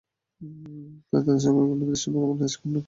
তাই তাদের সঙ্গে কূটনৈতিক সম্পর্ক বাংলাদেশের জন্য কোনো সুবিধাজনক বিষয় নয়।